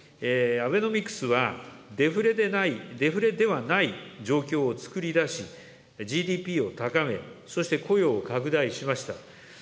アベノミクスは、デフレでない、デフレではない状況をつくり出し、ＧＤＰを高め、そして雇用を拡大しました。